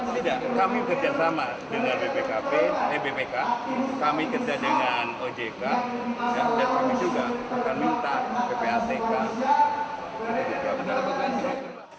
tidak kami kerjasama dengan bpkp eh bpk kami kerja dengan ojk dan kami juga akan minta ppatk